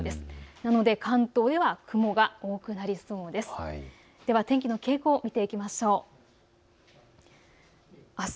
なので関東では雲が多くなりそうです。